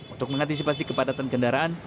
untuk mengantisipasi kepadatan kendaraan